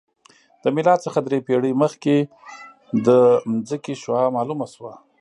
د میلاد څخه درې پېړۍ مخکې د ځمکې شعاع معلومه شوه